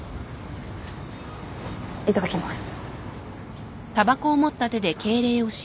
いただきます。